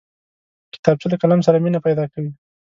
کتابچه له قلم سره مینه پیدا کوي